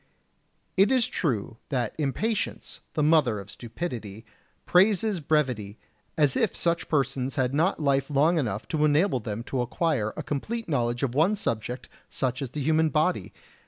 It is true that impatience, the mother of stupidity, praises brevity, as if such persons had not life long enough to enable them to acquire a complete knowledge of one subject such as the human body!